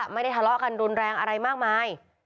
ไม่ได้ทะเลาะกันรุนแรงอะไรมากมาย